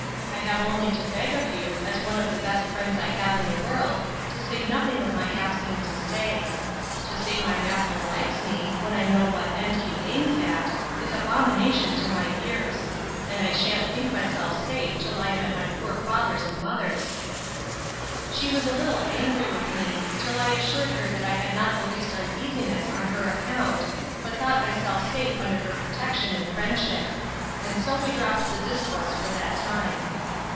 I have only to beg of you, as one of the best friends I have in the world, to say nothing of my asking to stay. To say my master likes me, when I know what end he aims at, is abomination to my ears; and I shan't think myself safe till I am at my poor father's and mother's. She was a little angry with me, till I assured her that I had not the least uneasiness on her account, but thought myself safe under her protection and friendship. And so we dropt the discourse for that time.